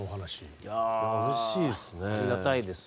いやうれしいですね。